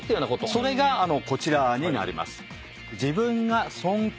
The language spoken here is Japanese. それがこちらになります。